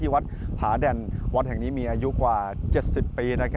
วัดแห่งนี้มีอายุกว่า๗๐ปี